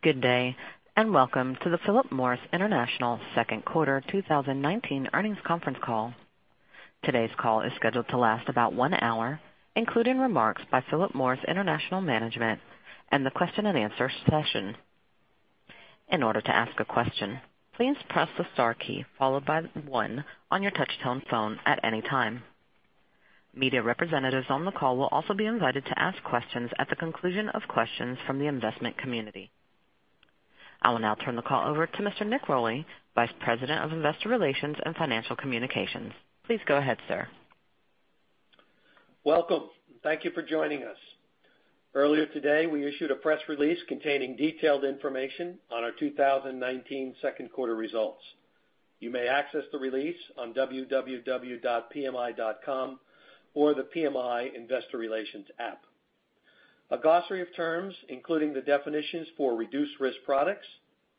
Good day and welcome to the Philip Morris International second quarter 2019 earnings conference call. Today's call is scheduled to last about one hour, including remarks by Philip Morris International management and the question-and-answer session. In order to ask a question, please press the star key followed by one on your touch-tone phone at any time. Media representatives on the call will also be invited to ask questions at the conclusion of questions from the investment community. I will now turn the call over to Mr. Nick Rolli, Vice President of Investor Relations and Financial Communications. Please go ahead, sir. Welcome. Thank you for joining us. Earlier today, we issued a press release containing detailed information on our 2019 second quarter results. You may access the release on www.pmi.com or the PMI investor relations app. A glossary of terms, including the definitions for reduced-risk products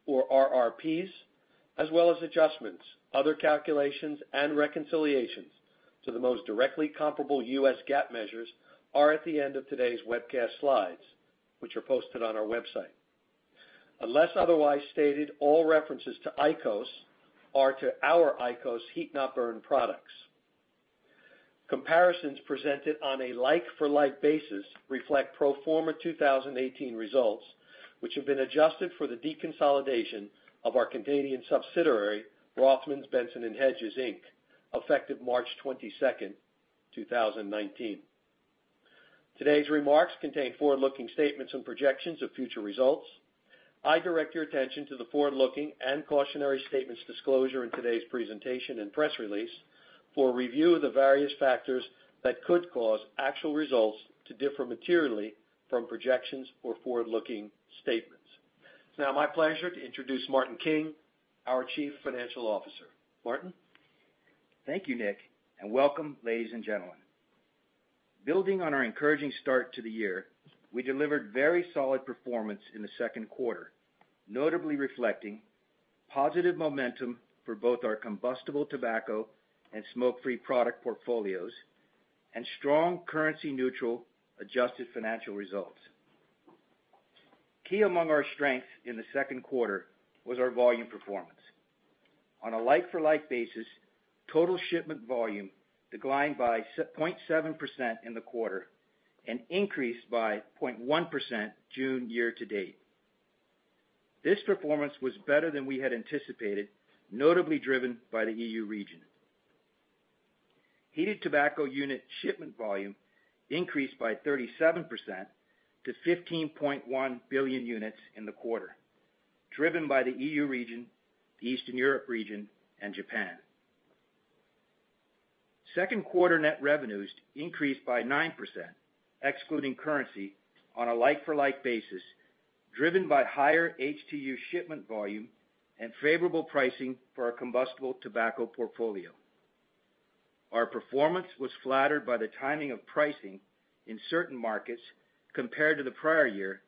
or RRPs, as well as adjustments, other calculations, and reconciliations to the most directly comparable U.S. GAAP measures, are at the end of today's webcast slides, which are posted on our website. Unless otherwise stated, all references to IQOS are to our IQOS heat not burn products. Comparisons presented on a like-for-like basis reflect pro forma 2018 results, which have been adjusted for the deconsolidation of our Canadian subsidiary, Rothmans, Benson & Hedges Inc., effective March 22nd, 2019. Today's remarks contain forward-looking statements and projections of future results. I direct your attention to the forward-looking and cautionary statements disclosure in today's presentation and press release for review of the various factors that could cause actual results to differ materially from projections or forward-looking statements. It's now my pleasure to introduce Martin King, our Chief Financial Officer. Martin? Thank you, Nick. And welcome, ladies and gentlemen. Building on our encouraging start to the year, we delivered very solid performance in the second quarter, notably reflecting positive momentum for both our combustible tobacco and smoke-free product portfolios and strong currency neutral adjusted financial results. Key among our strengths in the second quarter was our volume performance. On a like-for-like basis, total shipment volume declined by 0.7% in the quarter and increased by 0.1% June year-to-date. This performance was better than we had anticipated, notably driven by the EU region. Heated tobacco unit shipment volume increased by 37% to 15.1 billion units in the quarter, driven by the EU region, the Eastern Europe region, and Japan. Second quarter net revenues increased by 9%, excluding currency, on a like-for-like basis, driven by higher HTU shipment volume and favorable pricing for our combustible tobacco portfolio. Our performance was flattered by the timing of pricing in certain markets compared to the prior year,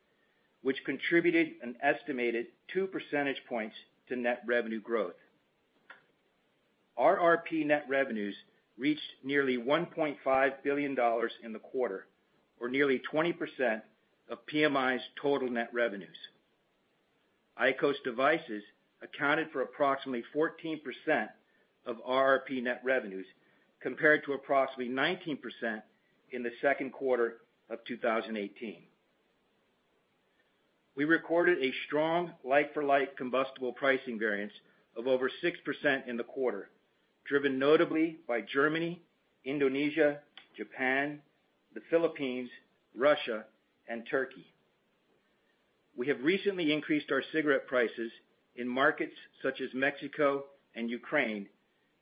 which contributed an estimated 2 percentage points to net revenue growth. RRP net revenues reached nearly $1.5 billion in the quarter, or nearly 20% of PMI's total net revenues. IQOS devices accounted for approximately 14% of RRP net revenues, compared to approximately 19% in the second quarter of 2018. We recorded a strong like-for-like combustible pricing variance of over 6% in the quarter, driven notably by Germany, Indonesia, Japan, the Philippines, Russia, and Turkey. We have recently increased our cigarette prices in markets such as Mexico and Ukraine,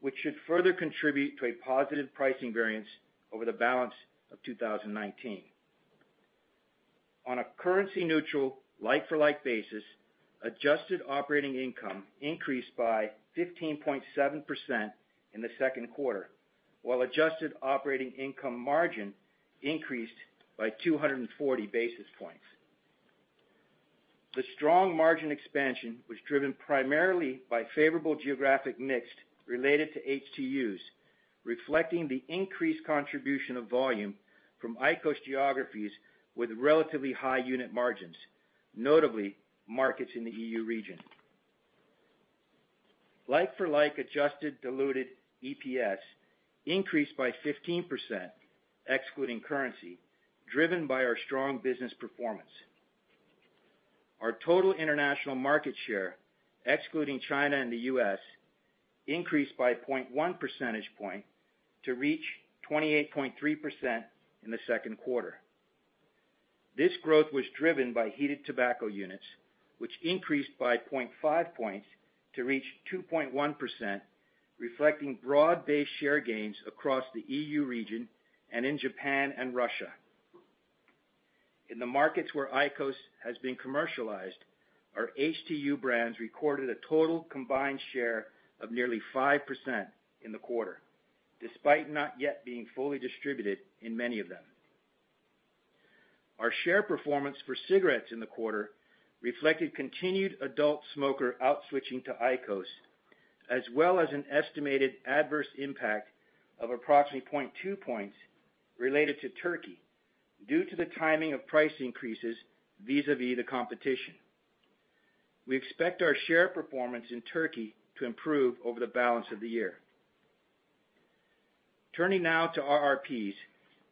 which should further contribute to a positive pricing variance over the balance of 2019. On a currency neutral like-for-like basis, adjusted operating income increased by 15.7% in the second quarter, while adjusted operating income margin increased by 240 basis points. The strong margin expansion was driven primarily by favorable geographic mix related to HTUs, reflecting the increased contribution of volume from IQOS geographies with relatively high unit margins, notably markets in the EU region. Like-for-like adjusted diluted EPS increased by 15%, excluding currency, driven by our strong business performance. Our total international market share, excluding China and the U.S., increased by 0.1 percentage point to reach 28.3% in the second quarter. This growth was driven by heated tobacco units, which increased by 0.5 points to reach 2.1%, reflecting broad-based share gains across the EU region and in Japan and Russia. In the markets where IQOS has been commercialized, our HTU brands recorded a total combined share of nearly 5% in the quarter, despite not yet being fully distributed in many of them. Our share performance for cigarettes in the quarter reflected continued adult smoker out-switching to IQOS as well as an estimated adverse impact of approximately 0.2 points related to Turkey, due to the timing of price increases vis-à-vis the competition. We expect our share performance in Turkey to improve over the balance of the year. Turning now to RRPs.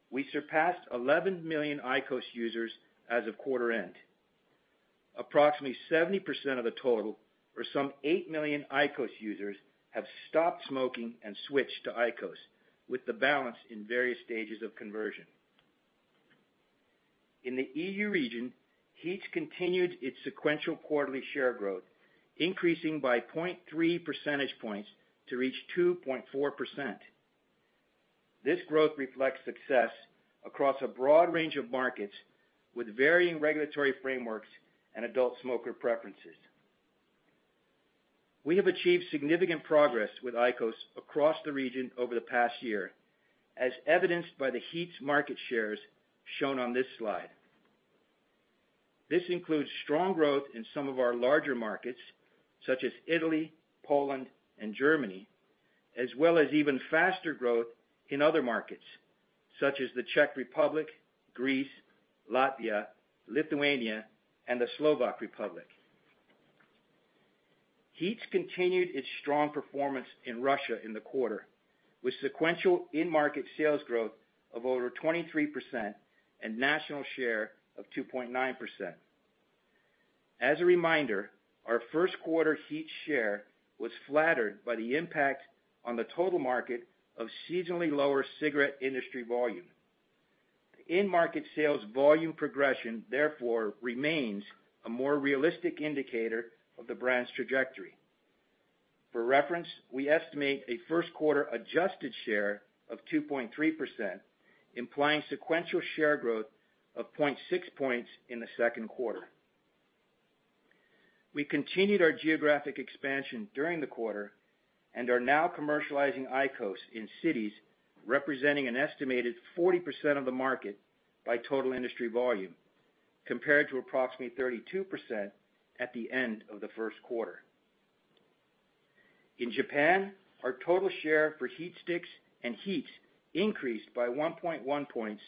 We surpassed 11 million IQOS users as of quarter end. Approximately 70% of the total, or some 8 million IQOS users, have stopped smoking and switched to IQOS, with the balance in various stages of conversion. In the EU region, HEETS continued its sequential quarterly share growth, increasing by 0.3 percentage points to reach 2.4%. This growth reflects success across a broad range of markets with varying regulatory frameworks and adult smoker preferences. We have achieved significant progress with IQOS across the region over the past year, as evidenced by the HEETS market shares shown on this slide. This includes strong growth in some of our larger markets such as Italy, Poland, and Germany, as well as even faster growth in other markets such as the Czech Republic, Greece, Latvia, Lithuania, and the Slovak Republic. HEETS continued its strong performance in Russia in the quarter, with sequential in-market sales growth of over 23% and national share of 2.9%. As a reminder, our first quarter HEETS share was flattered by the impact on the total market of seasonally lower cigarette industry volume. The in-market sales volume progression, therefore, remains a more realistic indicator of the brand's trajectory. For reference, we estimate a first quarter adjusted share of 2.3%, implying sequential share growth of 0.6 points in the second quarter. We continued our geographic expansion during the quarter and are now commercializing IQOS in cities representing an estimated 40% of the market by total industry volume, compared to approximately 32% at the end of the first quarter. In Japan, our total share for HeatSticks and HEETS increased by 1.1 points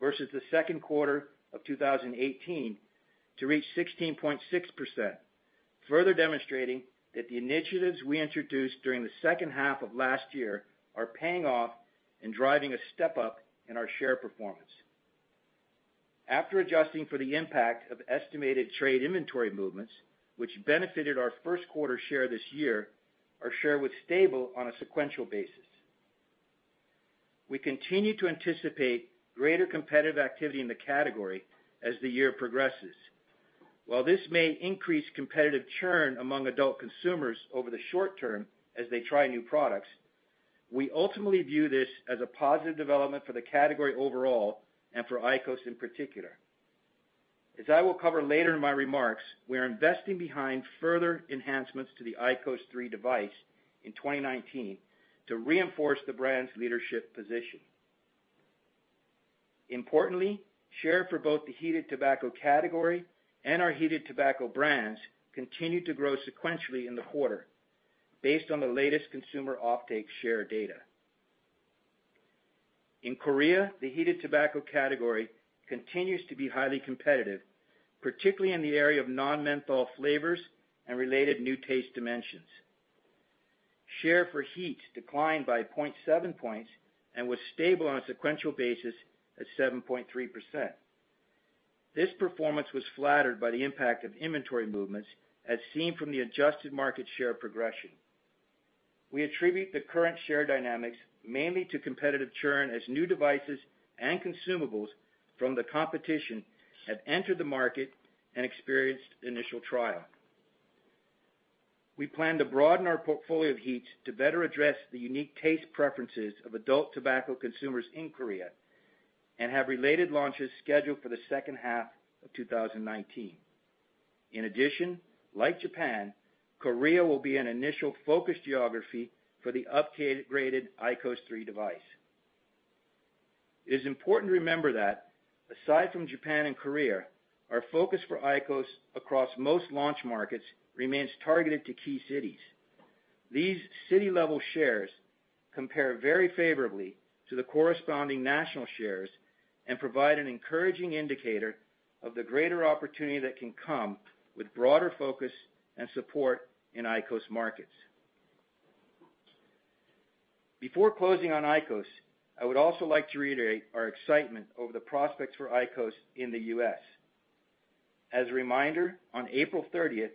versus the second quarter of 2018 to reach 16.6%, further demonstrating that the initiatives we introduced during the second half of last year are paying off and driving a step-up in our share performance. After adjusting for the impact of estimated trade inventory movements, which benefited our first quarter share this year, our share was stable on a sequential basis. We continue to anticipate greater competitive activity in the category as the year progresses. While this may increase competitive churn among adult consumers over the short term as they try new products, we ultimately view this as a positive development for the category overall, and for IQOS in particular. As I will cover later in my remarks, we are investing behind further enhancements to the IQOS 3 device in 2019 to reinforce the brand's leadership position. Importantly, share for both the heated tobacco category and our heated tobacco brands continued to grow sequentially in the quarter based on the latest consumer offtake share data. In Korea, the heated tobacco category continues to be highly competitive, particularly in the area of non-menthol flavors and related new taste dimensions. Share for HEETS declined by 0.7 points and was stable on a sequential basis at 7.3%. This performance was flattered by the impact of inventory movements, as seen from the adjusted market share progression. We attribute the current share dynamics mainly to competitive churn, as new devices and consumables from the competition have entered the market and experienced initial trial. We plan to broaden our portfolio of HEETS to better address the unique taste preferences of adult tobacco consumers in Korea and have related launches scheduled for the second half of 2019. In addition, like Japan, Korea will be an initial focus geography for the upgraded IQOS 3 device. It is important to remember that aside from Japan and Korea, our focus for IQOS across most launch markets remains targeted to key cities. These city-level shares compare very favorably to the corresponding national shares and provide an encouraging indicator of the greater opportunity that can come with broader focus and support in IQOS markets. Before closing on IQOS, I would also like to reiterate our excitement over the prospects for IQOS in the U.S. As a reminder, on April 30th,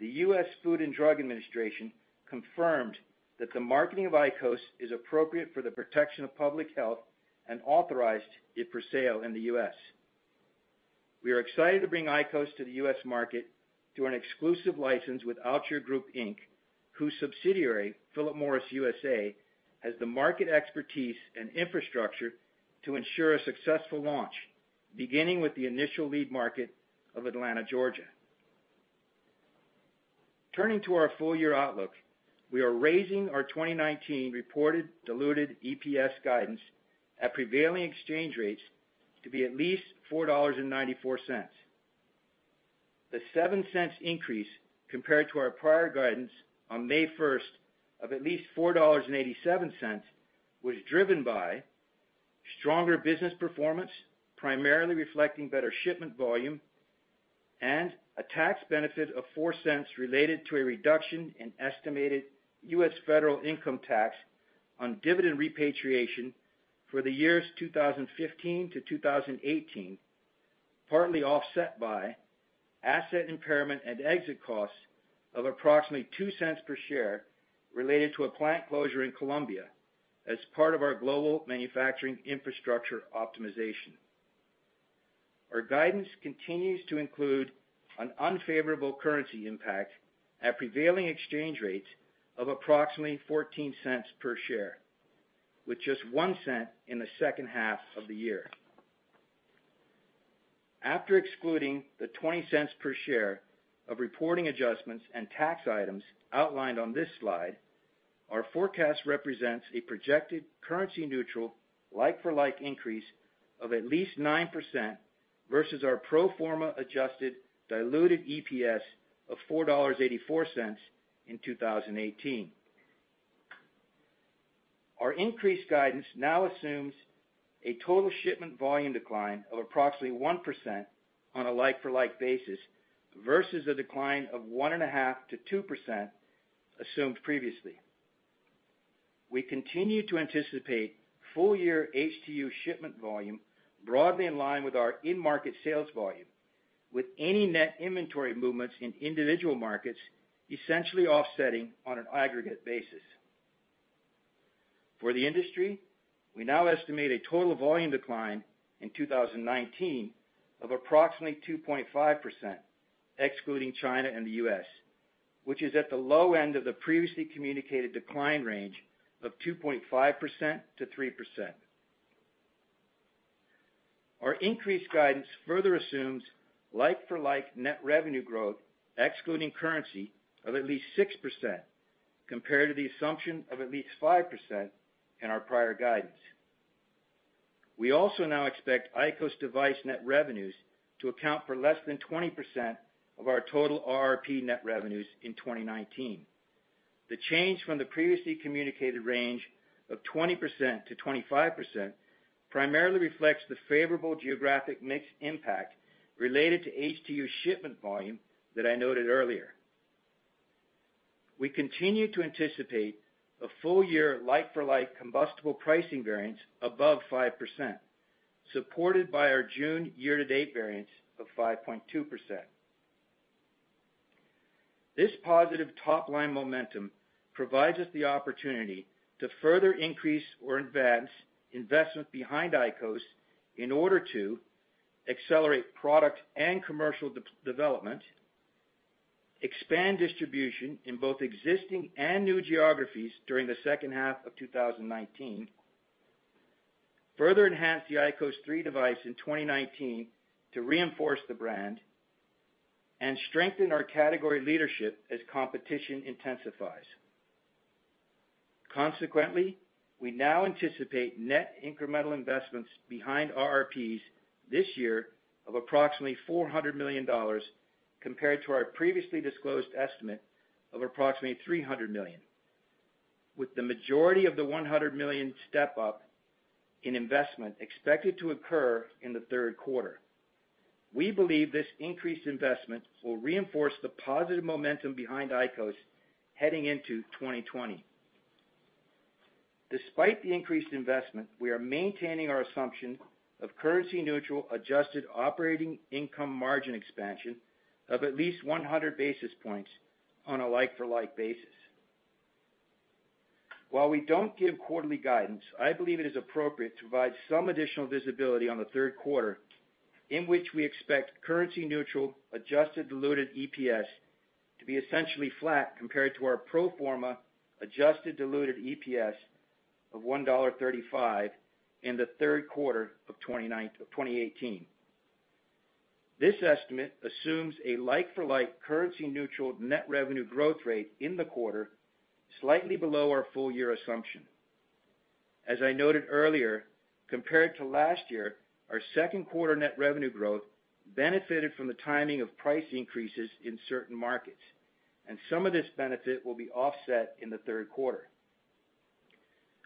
the US Food and Drug Administration confirmed that the marketing of IQOS is appropriate for the protection of public health and authorized it for sale in the U.S. We are excited to bring IQOS to the U.S. market through an exclusive license with Altria Group, Inc., whose subsidiary, Philip Morris USA, has the market expertise and infrastructure to ensure a successful launch, beginning with the initial lead market of Atlanta, Georgia. Turning to our full-year outlook. We are raising our 2019 reported diluted EPS guidance at prevailing exchange rates to be at least $4.94. The $0.07 increase compared to our prior guidance on May 1st of at least $4.87 was driven by stronger business performance, primarily reflecting better shipment volume and a tax benefit of $0.04 related to a reduction in estimated U.S. federal income tax on dividend repatriation for the years 2015-2018, partly offset by asset impairment and exit costs of approximately $0.02 per share related to a plant closure in Colombia as part of our global manufacturing infrastructure optimization. Our guidance continues to include an unfavorable currency impact at prevailing exchange rates of approximately $0.14 per share, with just $0.01 in the second half of the year. After excluding the $0.20 per share of reporting adjustments and tax items outlined on this slide, our forecast represents a projected currency neutral like-for-like increase of at least 9% versus our pro forma adjusted diluted EPS of $4.84 in 2018. Our increased guidance now assumes a total shipment volume decline of approximately 1% on a like-for-like basis versus a decline of 1.5%-2% assumed previously. We continue to anticipate full year HTU shipment volume broadly in line with our in-market sales volume, with any net inventory movements in individual markets essentially offsetting on an aggregate basis. For the industry, we now estimate a total volume decline in 2019 of approximately 2.5%, excluding China and the U.S., which is at the low end of the previously communicated decline range of 2.5%-3%. Our increased guidance further assumes like-for-like net revenue growth, excluding currency, of at least 6%, compared to the assumption of at least 5% in our prior guidance. We also now expect IQOS device net revenues to account for less than 20% of our total RRP net revenues in 2019. The change from the previously communicated range of 20%-25% primarily reflects the favorable geographic mix impact related to HTU shipment volume that I noted earlier. We continue to anticipate a full year like-for-like combustible pricing variance above 5%, supported by our June year-to-date variance of 5.2%. This positive top-line momentum provides us the opportunity to further increase or advance investment behind IQOS in order to accelerate product and commercial development, expand distribution in both existing and new geographies during the second half of 2019, further enhance the IQOS 3 device in 2019 to reinforce the brand, and strengthen our category leadership as competition intensifies. Consequently, we now anticipate net incremental investments behind RRPs this year of approximately $400 million compared to our previously disclosed estimate of approximately $300 million, with the majority of the $100 million step-up in investment expected to occur in the third quarter. We believe this increased investment will reinforce the positive momentum behind IQOS heading into 2020. Despite the increased investment, we are maintaining our assumption of currency neutral adjusted operating income margin expansion of at least 100 basis points on a like-for-like basis. While we don't give quarterly guidance, I believe it is appropriate to provide some additional visibility on the third quarter, in which we expect currency neutral adjusted diluted EPS to be essentially flat compared to our pro forma adjusted diluted EPS of $1.35 in the third quarter of 2018. This estimate assumes a like-for-like currency neutral net revenue growth rate in the quarter, slightly below our full-year assumption. As I noted earlier, compared to last year, our second quarter net revenue growth benefited from the timing of price increases in certain markets, and some of this benefit will be offset in the third quarter.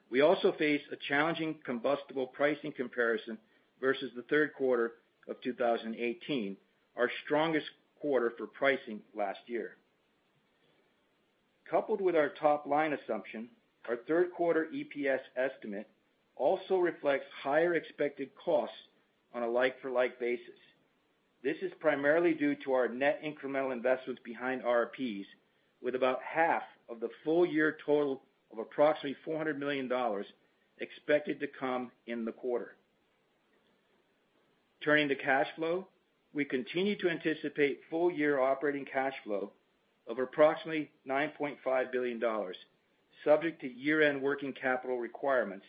We also face a challenging combustible pricing comparison versus the third quarter of 2018, our strongest quarter for pricing last year. Coupled with our top-line assumption, our third quarter EPS estimate also reflects higher expected costs on a like-for-like basis. This is primarily due to our net incremental investments behind RRPs with about half of the full-year total of approximately $400 million expected to come in the quarter. Turning to cash flow, we continue to anticipate full-year operating cash flow of approximately $9.5 billion, subject to year-end working capital requirements,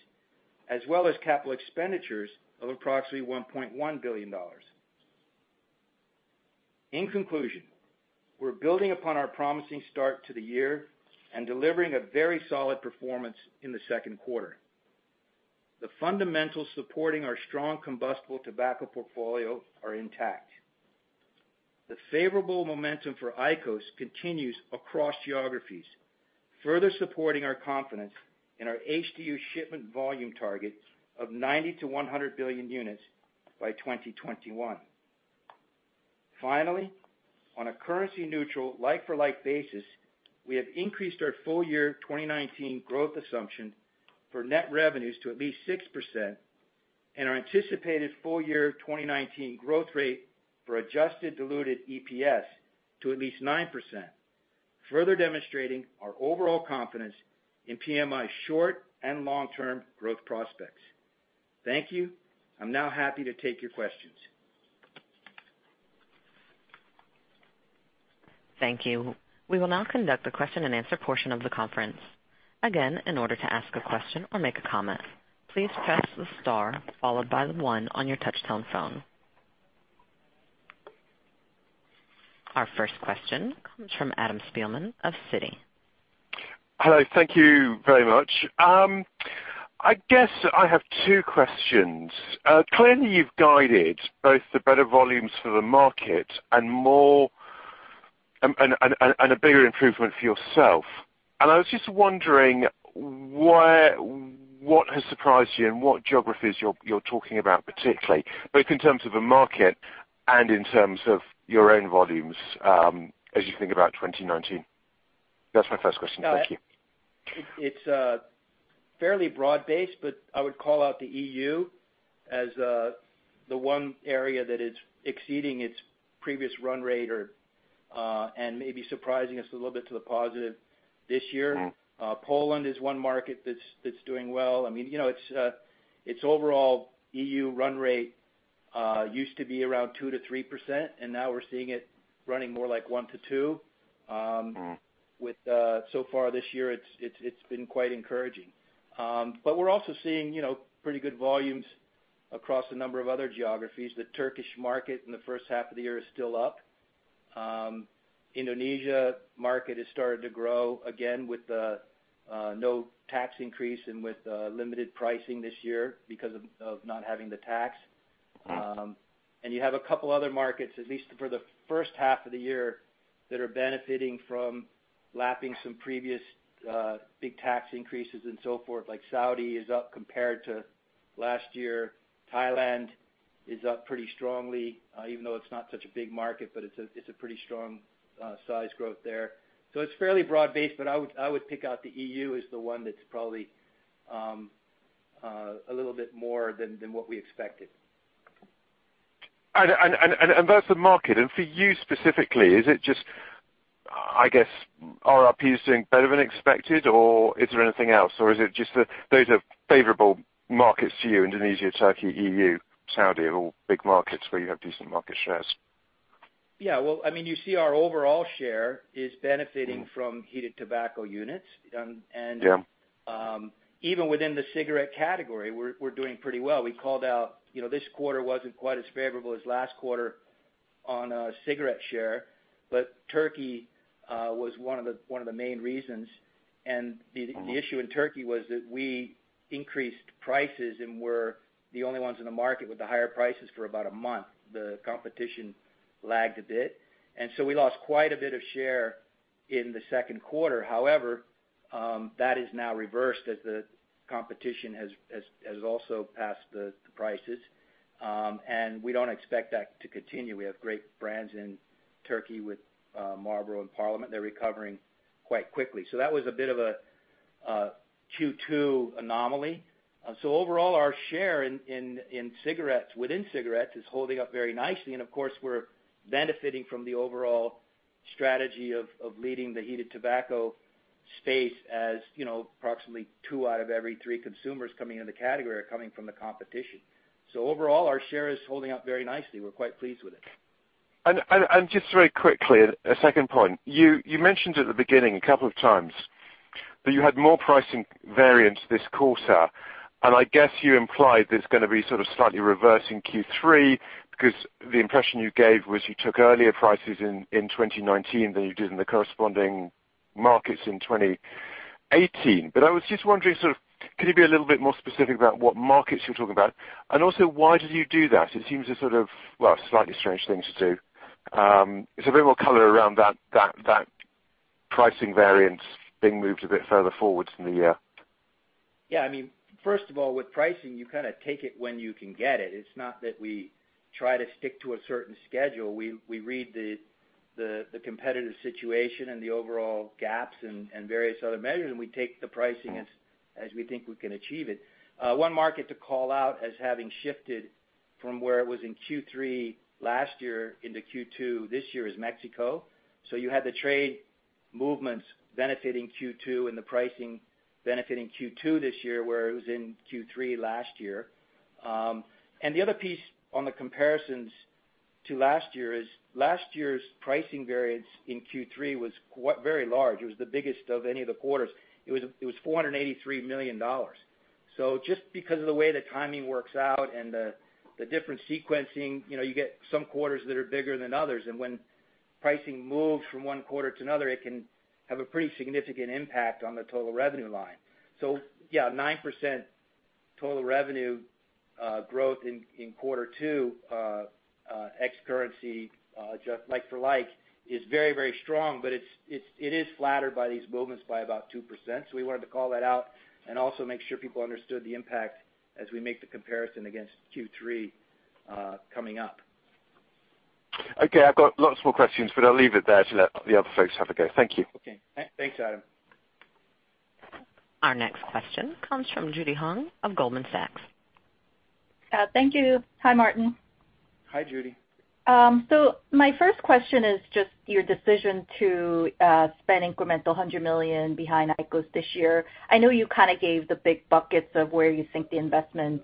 as well as capital expenditures of approximately $1.1 billion. In conclusion, we're building upon our promising start to the year and delivering a very solid performance in the second quarter. The fundamentals supporting our strong combustible tobacco portfolio are intact. The favorable momentum for IQOS continues across geographies, further supporting our confidence in our HTU shipment volume target of 90 billion-100 billion units by 2021. Finally, on a currency neutral like-for-like basis, we have increased our full-year 2019 growth assumption for net revenues to at least 6% and our anticipated full-year 2019 growth rate for adjusted diluted EPS to at least 9%, further demonstrating our overall confidence in PMI's short and long-term growth prospects. Thank you. I'm now happy to take your questions. Thank you. We will now conduct the question-and-answer portion of the conference. Again, in order to ask a question or make a comment, please press the star followed by the one on your touch-tone phone. Our first question comes from Adam Spielman of Citi. Hello. Thank you very much. I guess I have two questions. Clearly you've guided both the better volumes for the market and a bigger improvement for yourself. I was just wondering what has surprised you and what geographies you're talking about particularly, both in terms of the market and in terms of your own volumes as you think about 2019. That's my first question. Thank you. It's fairly broad-based. I would call out the EU as the one area that is exceeding its previous run rate and maybe surprising us a little bit to the positive this year. Poland is one market that's doing well. Its overall EU run rate used to be around 2%-3%. Now we're seeing it running more like 1%-2%. Far this year, it's been quite encouraging. We're also seeing pretty good volumes across a number of other geographies. The Turkish market in the first half of the year is still up. Indonesia market has started to grow again with no tax increase and with limited pricing this year because of not having the tax. Right. You have a couple other markets, at least for the first half of the year, that are benefiting from lapping some previous big tax increases and so forth, like Saudi is up compared to last year. Thailand is up pretty strongly, even though it's not such a big market, but it's a pretty strong size growth there. It's fairly broad-based, but I would pick out the EU as the one that's probably a little bit more than what we expected. That's the market. For you specifically, is it just, I guess, RRP is doing better than expected, or is there anything else, or is it just those are favorable markets to you, Indonesia, Turkey, EU, Saudi, are all big markets where you have decent market shares? Well, you see our overall share is benefiting from heated tobacco units. Yeah. Even within the cigarette category, we're doing pretty well. We called out this quarter wasn't quite as favorable as last quarter on cigarette share, but Turkey was one of the main reasons. The issue in Turkey was that we increased prices and were the only ones in the market with the higher prices for about a month. The competition lagged a bit, and so we lost quite a bit of share in the second quarter. However, that has now reversed as the competition has also passed the prices and we don't expect that to continue. We have great brands in Turkey with Marlboro and Parliament. They're recovering quite quickly, so that was a bit of a Q2 anormally. And so overall, our share in cigarettes, within cigarettes, is holding up very nicely. Of course, we're benefiting from the overall strategy of leading the heated tobacco space as approximately two out of every three consumers coming into the category are coming from the competition. Overall, our share is holding up very nicely. We're quite pleased with it. Just very quickly, a second point. You mentioned at the beginning a couple of times that you had more pricing variance this quarter, and I guess you implied there's going to be sort of slightly reverse in Q3 because the impression you gave was you took earlier prices in 2019 than you did in the corresponding markets in 2018. I was just wondering, can you be a little bit more specific about what markets you're talking about, and also why did you do that? It seems a sort of, well, slightly strange thing to do. It's a bit more color around that pricing variance being moved a bit further forward in the year. Yeah. First of all, with pricing, you kind of take it when you can get it. It's not that we try to stick to a certain schedule. We read the competitive situation and the overall gaps and various other measures, and we take the pricing as we think we can achieve it. One market to call out as having shifted from where it was in Q3 last year into Q2 this year is Mexico. You had the trade movements benefiting Q2 and the pricing benefiting Q2 this year, where it was in Q3 last year. The other piece on the comparisons to last year is last year's pricing variance in Q3 was very large. It was the biggest of any of the quarters. It was $483 million. Just because of the way the timing works out and the different sequencing, you get some quarters that are bigger than others, and when pricing moves from one quarter to another, it can have a pretty significant impact on the total revenue line. Yeah, 9% total revenue growth in quarter two ex-currency, like for like, is very strong, but it is flattered by these movements by about 2%. We wanted to call that out and also make sure people understood the impact as we make the comparison against Q3 coming up. Okay. I've got lots more questions, but I'll leave it there to let the other folks have a go. Thank you. Okay. Thanks, Adam. Our next question comes from Judy Hong of Goldman Sachs. Thank you. Hi, Martin. Hi, Judy. So my first question is just your decision to spend incremental $100 million behind IQOS this year. I know you gave the big buckets of where you think the investment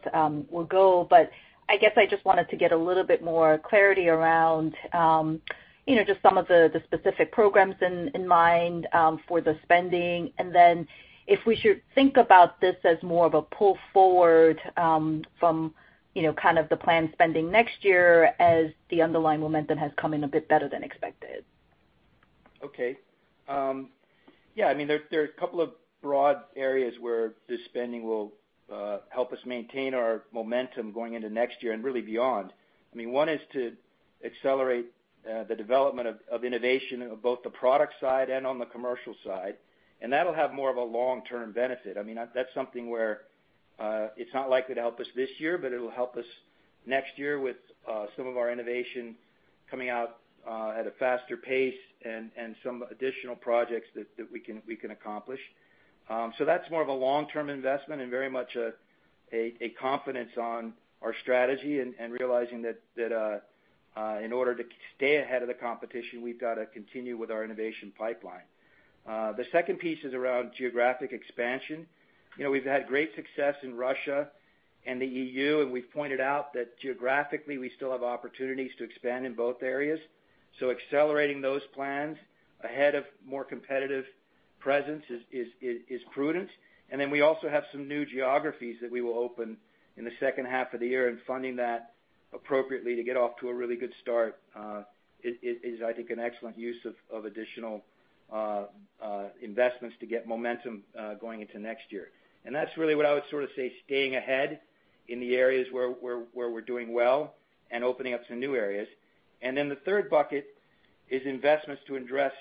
will go, but I guess I just wanted to get a little bit more clarity around just some of the specific programs in mind for the spending, and then if we should think about this as more of a pull forward from the planned spending next year as the underlying momentum has come in a bit better than expected. There are a couple of broad areas where this spending will help us maintain our momentum going into next year and really beyond. One is to accelerate the development of innovation on both the product side and on the commercial side, and that'll have more of a long-term benefit. That's something where it's not likely to help us this year, but it'll help us next year with some of our innovation coming out at a faster pace and some additional projects that we can accomplish. That's more of a long-term investment and very much a confidence on our strategy and realizing that in order to stay ahead of the competition, we've got to continue with our innovation pipeline. The second piece is around geographic expansion. We've had great success in Russia and the EU, we've pointed out that geographically, we still have opportunities to expand in both areas. Accelerating those plans ahead of more competitive presence is prudent. Then we also have some new geographies that we will open in the second half of the year, and funding that appropriately to get off to a really good start is, I think, an excellent use of additional investments to get momentum going into next year. That's really what I would say, staying ahead in the areas where we're doing well and opening up some new areas. Then the third bucket is investments to address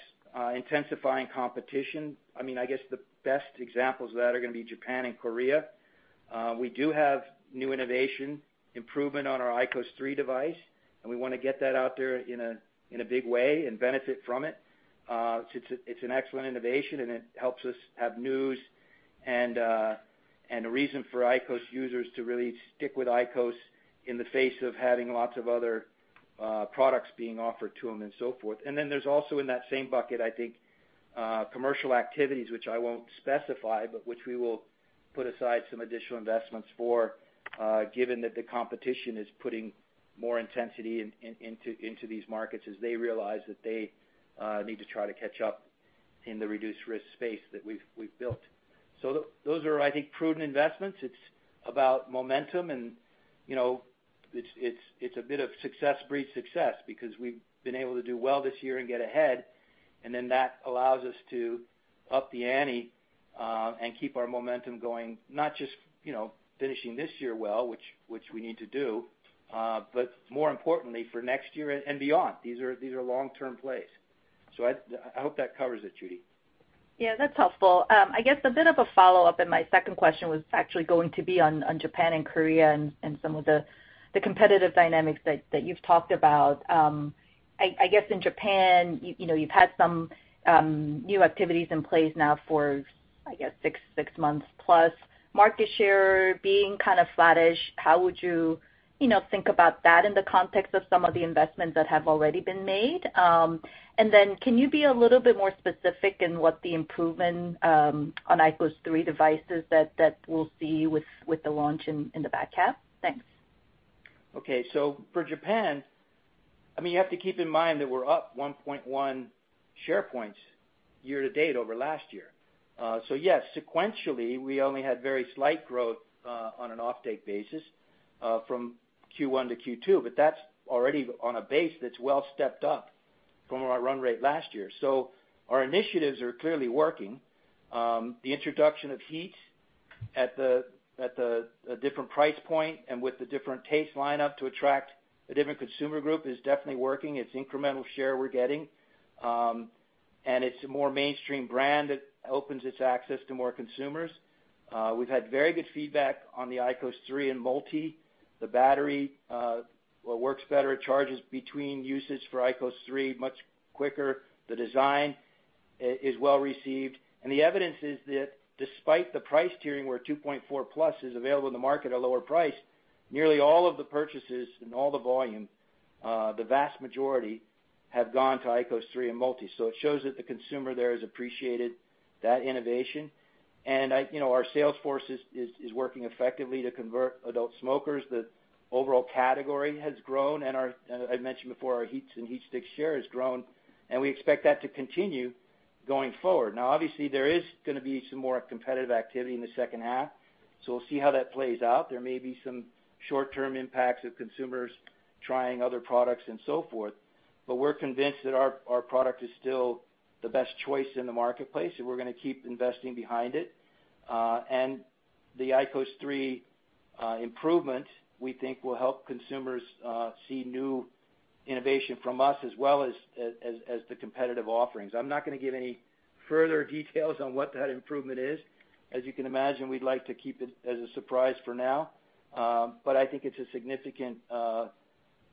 intensifying competition. I guess the best examples of that are going to be Japan and Korea. We do have new innovation improvement on our IQOS 3 device, and we want to get that out there in a big way and benefit from it. It's an excellent innovation, and it helps us have news and a reason for IQOS users to really stick with IQOS in the face of having lots of other products being offered to them and so forth. There's also in that same bucket, I think commercial activities, which I won't specify, but which we will put aside some additional investments for given that the competition is putting more intensity into these markets as they realize that they need to try to catch up in the reduced-risk space that we've built. Those are, I think, prudent investments. It's about momentum, and it's a bit of success breeds success because we've been able to do well this year and get ahead, and then that allows us to up the ante and keep our momentum going, not just finishing this year well, which we need to do, but more importantly for next year and beyond, these are long-term plays. I hope that covers it, Judy. Yeah, that's helpful. I guess a bit of a follow-up, and my second question was actually going to be on Japan and Korea and some of the competitive dynamics that you've talked about. I guess in Japan, you've had some new activities in place now for, I guess, six months plus. Market share being flattish, how would you think about that in the context of some of the investments that have already been made? Can you be a little bit more specific in what the improvement on IQOS 3 devices that we'll see with the launch in the back half? Thanks. Okay. So for Japan, you have to keep in mind that we're up 1.1 share points year-to-date over last year. Yes, sequentially, we only had very slight growth on an off-take basis from Q1 to Q2, but that's already on a base that's well stepped up from our run rate last year. Our initiatives are clearly working. The introduction of HEETS at a different price point and with a different taste line up to attract a different consumer group is definitely working. It's incremental share we're getting. It's a more mainstream brand that opens its access to more consumers. We've had very good feedback on the IQOS 3 and IQOS 3 Multi. The battery works better. It charges between uses for IQOS 3 much quicker. The design is well received, the evidence is that despite the price tiering where 2.4+ is available in the market at a lower price, nearly all of the purchases and all the volume, the vast majority have gone to IQOS 3 and Multi. It shows that the consumer there has appreciated that innovation. Our sales force is working effectively to convert adult smokers. The overall category has grown, as I mentioned before, our HEETS and HeatSticks share has grown, and we expect that to continue going forward. Now, obviously, there is going to be some more competitive activity in the second half, so we will see how that plays out. There may be some short-term impacts of consumers trying other products and so forth, but we are convinced that our product is still the best choice in the marketplace, and we are going to keep investing behind it. The IQOS 3 improvement, we think will help consumers see new innovation from us as well as the competitive offerings. I'm not going to give any further details on what that improvement is. As you can imagine, we'd like to keep it as a surprise for now. I think it's a significant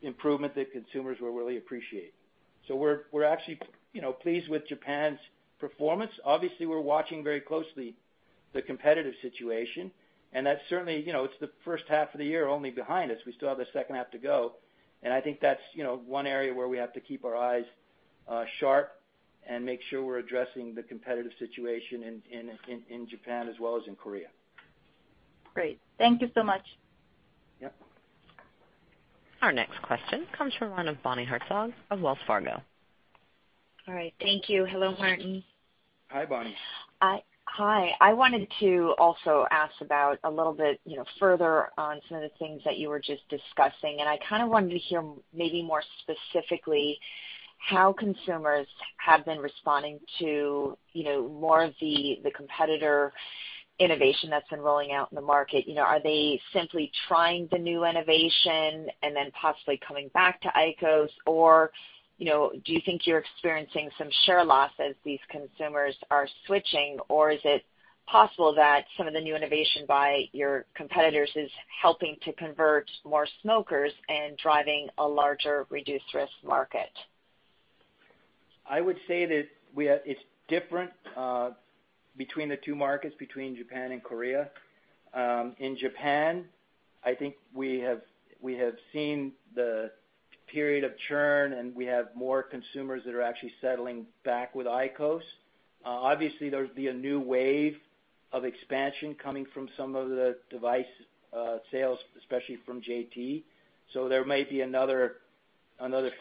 improvement that consumers will really appreciate. We're actually pleased with Japan's performance. We're watching very closely the competitive situation, and that's certainly the first half of the year only behind us. We still have the second half to go, and I think that's one area where we have to keep our eyes sharp and make sure we're addressing the competitive situation in Japan as well as in Korea. Great. Thank you so much. Yep. Our next question comes from the line of Bonnie Herzog of Wells Fargo. All right.` Thank you. Hello, Martin. Hi, Bonnie. Hi. I wanted to also ask about a little bit further on some of the things that you were just discussing, and I kind of wanted to hear maybe more specifically how consumers have been responding to more of the competitor innovation that's been rolling out in the market. Are they simply trying the new innovation and then possibly coming back to IQOS or do you think you're experiencing some share loss as these consumers are switching, or is it possible that some of the new innovation by your competitors is helping to convert more smokers and driving a larger reduced-risk market? I would say that it's different between the two markets, between Japan and Korea. In Japan, I think we have seen the period of churn, and we have more consumers that are actually settling back with IQOS. Obviously, there's been a new wave of expansion coming from some of the device sales, especially from JT so there may be another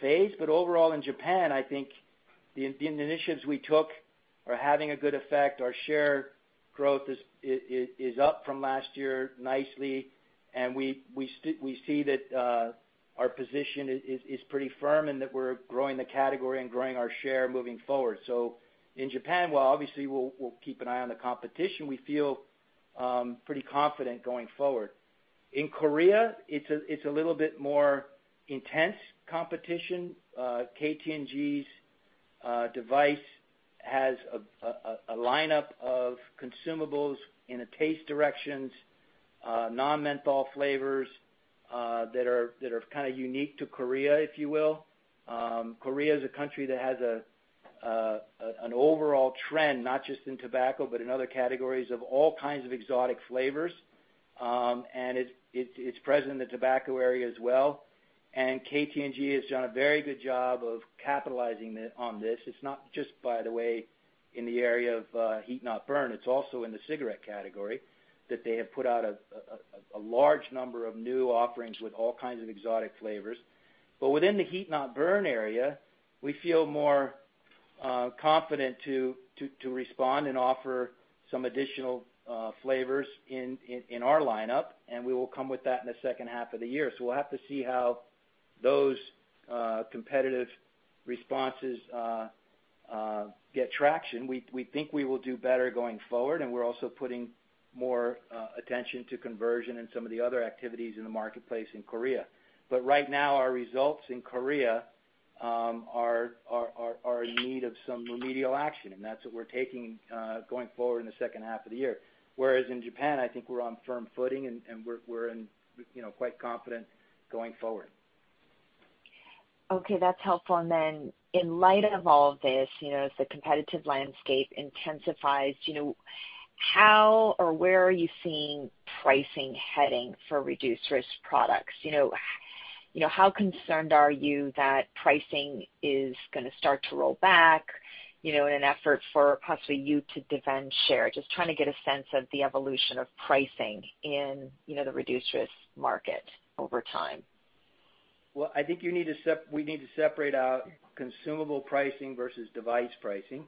phase. Overall, in Japan, I think the initiatives we took are having a good effect. Our share growth is up from last year nicely, and we see that our position is pretty firm and that we're growing the category and growing our share moving forward. In Japan, while obviously we'll keep an eye on the competition, we feel pretty confident going forward. In Korea, it's a little bit more intense competition. KT&G's device has a lineup of consumables in the taste directions, non-menthol flavors that are kind of unique to Korea, if you will. Korea is a country that has an overall trend, not just in tobacco, but in other categories of all kinds of exotic flavors, and it's present in the tobacco area as well. KT&G has done a very good job of capitalizing on this. It's not just, by the way, in the area of heat not burn, it's also in the cigarette category that they have put out a large number of new offerings with all kinds of exotic flavors. Within the heat not burn area, we feel more confident to respond and offer some additional flavors in our lineup, and we will come with that in the second half of the year so we'll have to see how those competitive responses get traction. We think we will do better going forward, and we're also putting more attention to conversion and some of the other activities in the marketplace in Korea. Right now, our results in Korea are in need of some remedial action, and that's what we're taking going forward in the second half of the year. Whereas in Japan, I think we're on firm footing, and we're quite confident going forward. Okay. That's helpful. In light of all of this, as the competitive landscape intensifies, how or where are you seeing pricing heading for reduced-risk products? How concerned are you that pricing is going to start to roll back in an effort for possibly you to defend share? Just trying to get a sense of the evolution of pricing in the reduced-risk market over time. I think we need to separate out consumable pricing versus device pricing.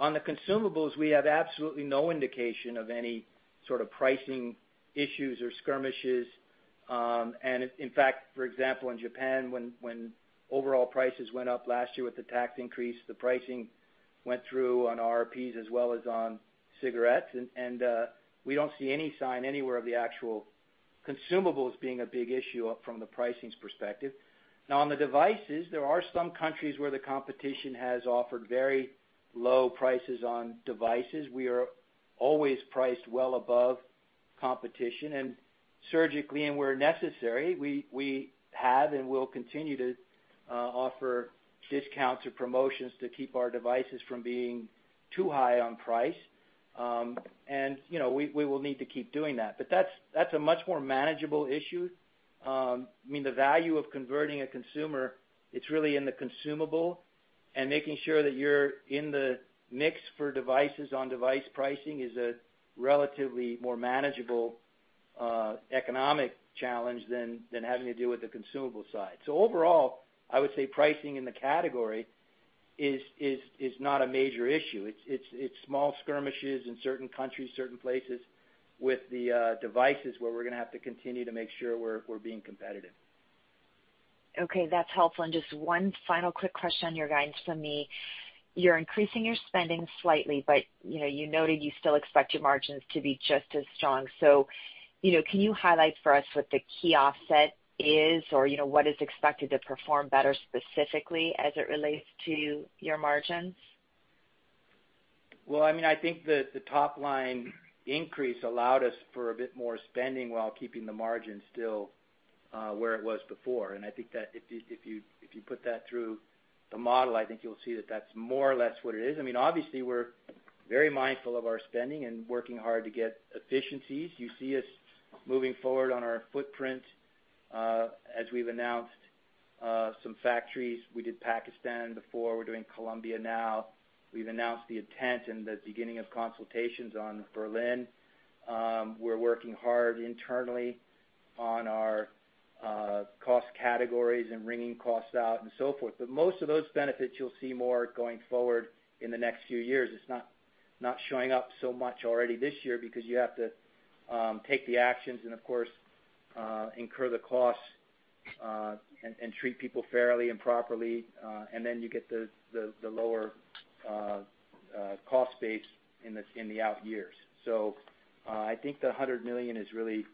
On the consumables, we have absolutely no indication of any sort of pricing issues or skirmishes. And in fact, for example, in Japan, when overall prices went up last year with the tax increase, the pricing went through on RRPs as well as on cigarettes, and we don't see any sign anywhere of the actual consumables being a big issue up from the pricing perspective. Now on the devices, there are some countries where the competition has offered very low prices on devices. We are always priced well above competition, and surgically and where necessary, we have and will continue to offer discounts or promotions to keep our devices from being too high on price andwe will need to keep doing that. That's a much more manageable issue. I mean, the value of converting a consumer, it's really in the consumable, and making sure that you're in the mix for devices on device pricing is a relatively more manageable economic challenge than having to deal with the consumable side. Overall, I would say pricing in the category is not a major issue. It's small skirmishes in certain countries, certain places with the devices where we're going to have to continue to make sure we're being competitive. Okay. That's helpful. Just one final quick question on your guidance from me. You're increasing your spending slightly, but you noted you still expect your margins to be just as strong. Can you highlight for us what the key offset is or what is expected to perform better specifically as it relates to your margins? Well, I think the top-line increase allowed us for a bit more spending while keeping the margin still where it was before. I think that if you put that through the model, I think you'll see that that's more or less what it is. Obviously, we're very mindful of our spending and working hard to get efficiencies. You see us moving forward on our footprint as we've announced some factories. We did Pakistan before. We're doing Colombia now. We've announced the intent and the beginning of consultations on Berlin. We're working hard internally on our cost categories and wringing costs out and so forth. Most of those benefits you'll see more going forward in the next few years. It's not showing up so much already this year because you have to take the actions and of course incur the costs and treat people fairly and properly and then you get the lower cost base in the out years. I think the $100 million is really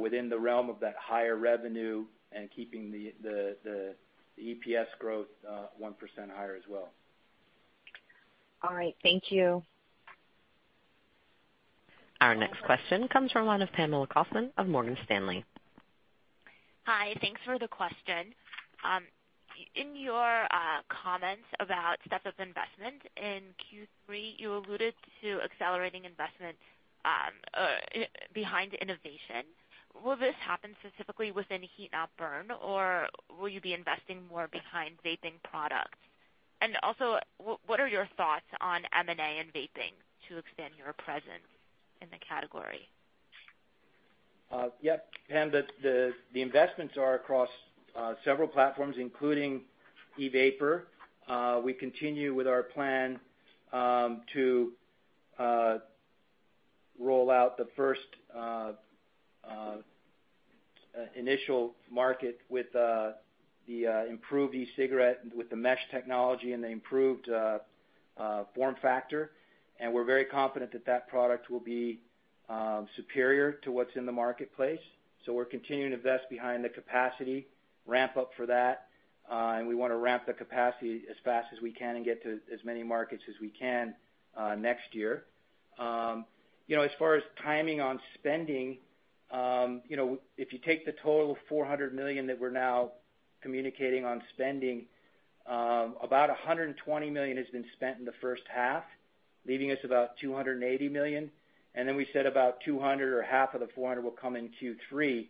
within the realm of that higher revenue and keeping the EPS growth 1% higher as well. All right. Thank you. Our next question comes from the line of Pamela Kaufman of Morgan Stanley. Hi. Thanks for the question. In your comments about step-up investment in Q3, you alluded to accelerating investment behind innovation. Will this happen specifically within heat not burn, or will you be investing more behind vaping products and also, what are your thoughts on M&A and vaping to expand your presence in the category? Yep. Pam, the investments are across several platforms, including e-vapor. We continue with our plan to roll out the first initial market with the improved e-cigarette with the mesh technology and the improved form factor. We're very confident that that product will be superior to what's in the marketplace. We're continuing to invest behind the capacity ramp-up for that, and we want to ramp the capacity as fast as we can and get to as many markets as we can next year. As far as timing on spending, if you take the total $400 million that we're now communicating on spending, about $120 million has been spent in the first half, leaving us about $280 million and then we said about $200 million or half of the $400 million will come in Q3.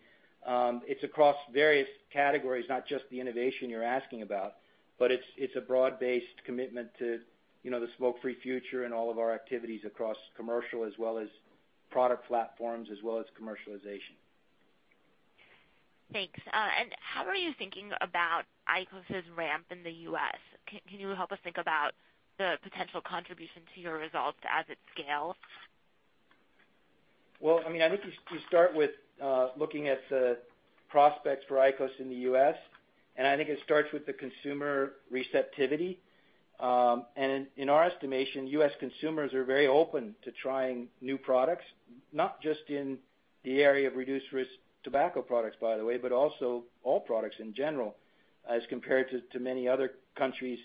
It's across various categories, not just the innovation you're asking about, but it's a broad-based commitment to the smoke-free future and all of our activities across commercial as well as product platforms, as well as commercialization. Thanks. How are you thinking about IQOS's ramp in the U.S.? Can you help us think about the potential contribution to your results as it scales? Well, I think to start with looking at the prospects for IQOS in the U.S., I think it starts with the consumer receptivity. In our estimation, U.S. consumers are very open to trying new products, not just in the area of reduced-risk tobacco products, by the way, but also all products in general. As compared to many other countries,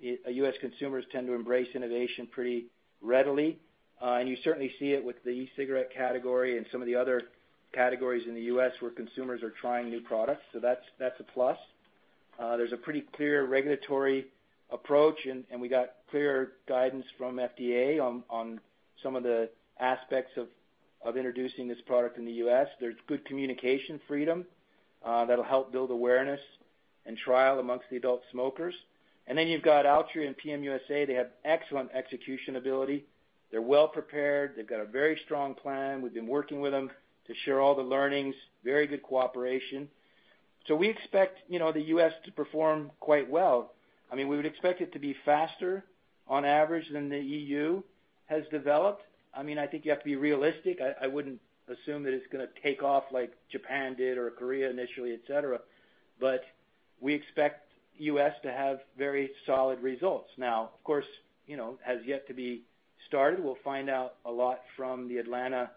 U.S. consumers tend to embrace innovation pretty readily. You certainly see it with the e-cigarette category and some of the other categories in the U.S. where consumers are trying new products, so that's a plus. There's a pretty clear regulatory approach. We got clear guidance from FDA on some of the aspects of introducing this product in the U.S. There's good communication freedom that'll help build awareness and trial amongst the adult smokers and then you've got Altria and PM USA. They have excellent execution ability, they're well-prepared. They've got a very strong plan. We've been working with them to share all the learnings. Very good cooperation. We expect the U.S. to perform quite well. We would expect it to be faster on average than the EU has developed. I think you have to be realistic. I wouldn't assume that it's going to take off like Japan did or Korea initially, etc. We expect U.S. to have very solid results. Of course, has yet to be started. We'll find out a lot from the Atlanta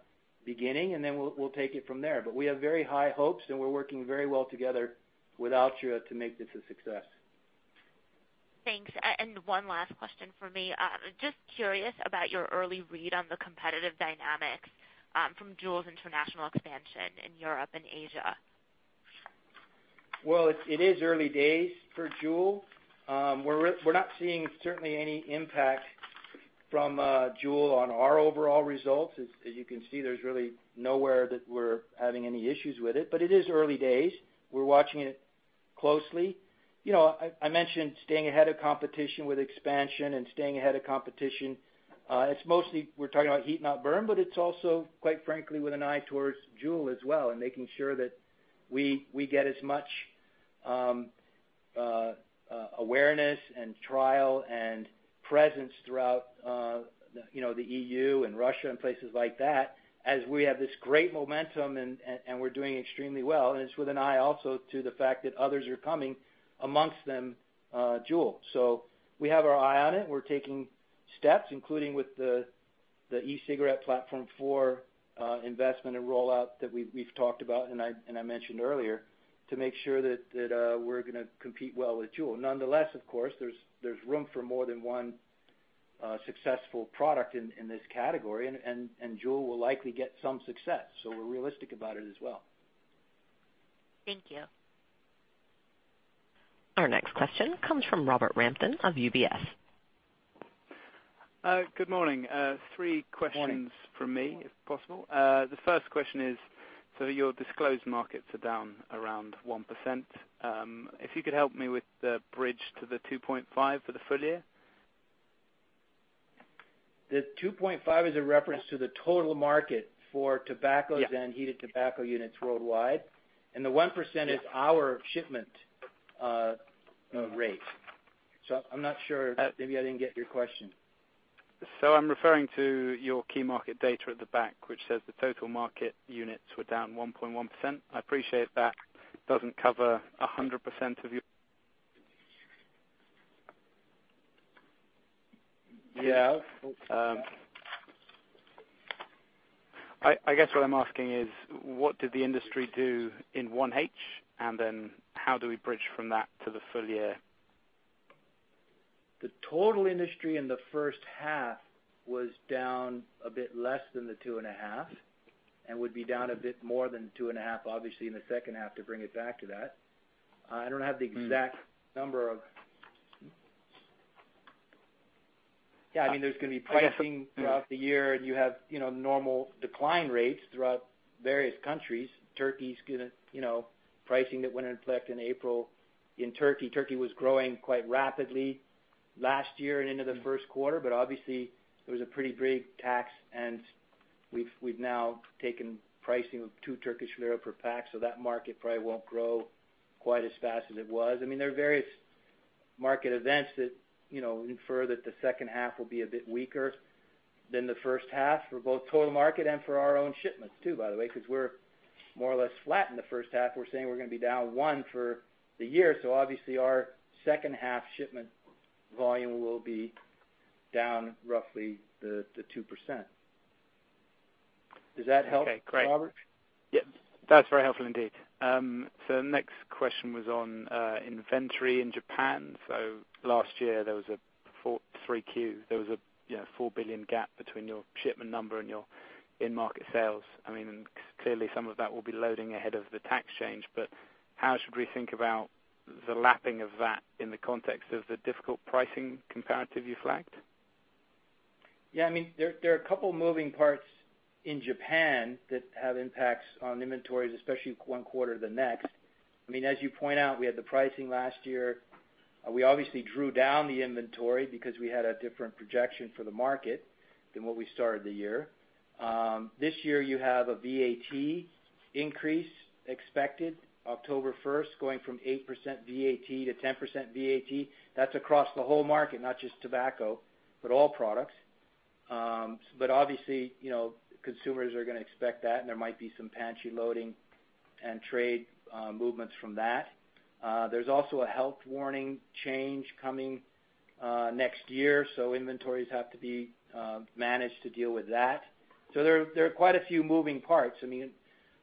beginning and then we'll take it from there. We have very high hopes, and we're working very well together with Altria to make this a success. Thanks. One last question from me. Just curious about your early read on the competitive dynamics from Juul's international expansion in Europe and Asia. Well, it is early days for Juul. We're not seeing certainly any impact from Juul on our overall results. As you can see, there's really nowhere that we're having any issues with it but it is early days. We're watching it closely. I mentioned staying ahead of competition with expansion and staying ahead of competition. It's mostly we're talking about heat not burn, but it's also quite frankly, with an eye towards Juul as well, and making sure that we get as much awareness and trial and presence throughout the EU and Russia and places like that as we have this great momentum, and we're doing extremely well. It's with an eye also to the fact that others are coming, amongst them, Juul. We have our eye on it. We're taking steps, including with the e-cigarette platform for investment and rollout that we've talked about, and I mentioned earlier, to make sure that we're going to compete well with Juul. Nonetheless, of course, there's room for more than one successful product in this category, and Juul will likely get some success, so we're realistic about it as well. Thank you. Our next question comes from Robert Rampton of UBS. Good morning. Three questions- Morning. ...from me, if possible. The first question is, your disclosed markets are down around 1%. If you could help me with the bridge to the 2.5% for the full year. The 2.5% is a reference to the total market for tobaccos and heated tobacco units worldwide, and the 1% is our shipment rate. I'm not sure. Maybe I didn't get your question. So I'm referring to your key market data at the back, which says the total market units were down 1.1%. I appreciate that doesn't cover 100% of your- Yeah. I guess what I'm asking is what did the industry do in 1H, and then how do we bridge from that to the full year? The total industry in the first half was down a bit less than the two and a half, and would be down a bit more than two and a half, obviously, in the second half to bring it back to that. I don't have the exact number of I mean, there's going to be pricing throughout the year. You have normal decline rates throughout various countries. Turkey's pricing that went into effect in April. In Turkey was growing quite rapidly last year and into the first quarter, but obviously there was a pretty big tax, we've now taken pricing of 2 Turkish lira per pack, that market probably won't grow quite as fast as it was. I mean, there are various market events that infer that the second half will be a bit weaker than the first half for both total market and for our own shipments too, by the way, because we're more or less flat in the first half. We're saying we're going to be down one for the year, obviously our second half shipment volume will be down roughly the 2%. Does that help, Robert? Okay, great. Yep. That's very helpful indeed. So next question was on inventory in Japan. Last year, there was a 3Q. There was a $4 billion gap between your shipment number and your in-market sales. I mean, clearly some of that will be loading ahead of the tax change, but how should we think about the lapping of that in the context of the difficult pricing comparative you flagged? Yeah, I mean there are a couple moving parts in Japan that have impacts on inventories, especially one quarter to the next. I mean, as you point out, we had the pricing last year. We obviously drew down the inventory because we had a different projection for the market than what we started the year. This year, you have a VAT increase expected October 1st, going from 8% VAT to 10% VAT. That's across the whole market, not just tobacco, but all products. Obviously, consumers are going to expect that, and there might be some pantry loading and trade movements from that. There's also a health warning change coming next year, so inventories have to be managed to deal with that. There are quite a few moving parts.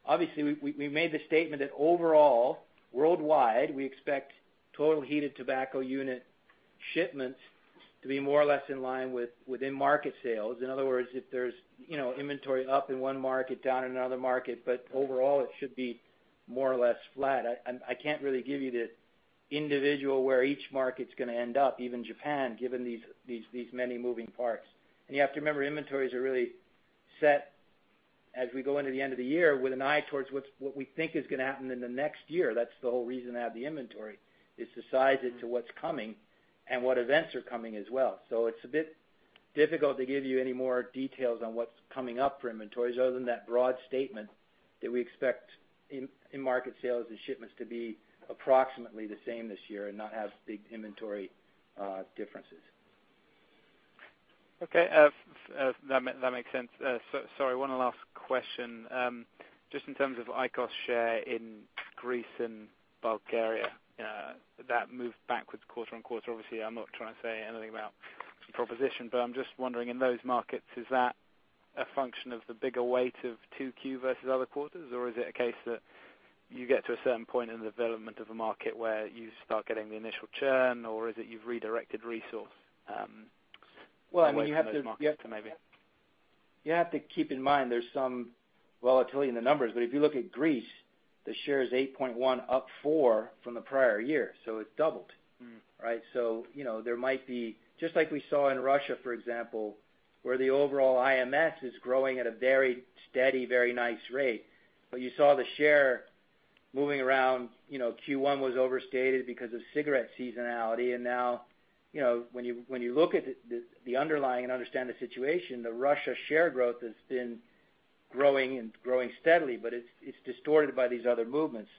Obviously, we made the statement that overall, worldwide, we expect total heated tobacco unit shipments to be more or less in line with in-market sales. In other words, if there's inventory up in one market, down in another market, but overall, it should be more or less flat. I can't really give you the individual where each market's going to end up, even Japan, given these many moving parts. You have to remember, inventories are really set as we go into the end of the year with an eye towards what we think is going to happen in the next year. That's the whole reason to have the inventory, is to size it to what's coming and what events are coming as well. So it's a bit difficult to give you any more details on what's coming up for inventories other than that broad statement that we expect in-market sales and shipments to be approximately the same this year and not have big inventory differences. Okay. That makes sense. Sorry, one last question. Just in terms of IQOS share in Greece and Bulgaria, that moved backwards quarter-on-quarter. Obviously, I'm not trying to say anything about proposition, but I'm just wondering in those markets, is that a function of the bigger weight of 2Q versus other quarters, or is it a case that you get to a certain point in the development of a market where you start getting the initial churn, or is it you've redirected resource away from those markets maybe? You have to keep in mind, there's some volatility in the numbers, but if you look at Greece, the share is 8.1% up 4% from the prior year, so it's doubled. Right. There might be, just like we saw in Russia, for example, where the overall IMS is growing at a very steady, very nice rate. You saw the share moving around, Q1 was overstated because of cigarette seasonality, and now, when you look at the underlying and understand the situation, the Russia share growth has been growing and growing steadily, but it's distorted by these other movements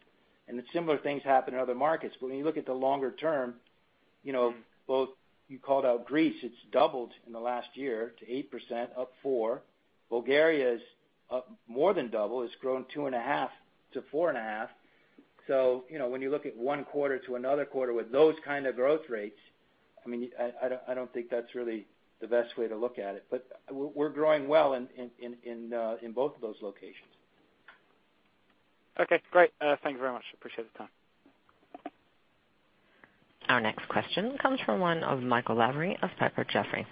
and similar things happen in other markets. When you look at the longer term, both, you called out Greece, it's doubled in the last year to 8%, up 4%. Bulgaria is up more than double. It's grown 2.5% to 4.5%. When you look at one quarter to another quarter with those kind of growth rates, I don't think that's really the best way to look at it bu we're growing well in both of those locations. Okay, great. Thank you very much. Appreciate the time. Our next question comes from one of Michael Lavery of Piper Jaffray.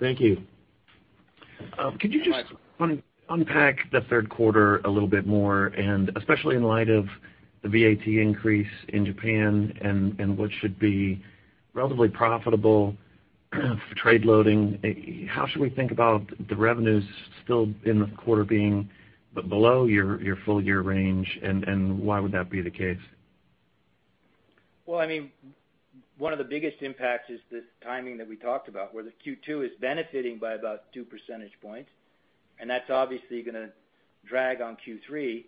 Thank you. Hi. Could you just unpack the third quarter a little bit more, especially in light of the VAT increase in Japan and what should be relatively profitable trade loading, how should we think about the revenues still in the quarter being below your full-year range, and why would that be the case? Well, one of the biggest impacts is the timing that we talked about, where the Q2 is benefiting by about 2 percentage points, and that's obviously going to drag on Q3